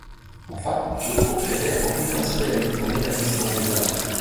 Enfin, le progrès réellement humain se réalise dans l'épanouissement des arts.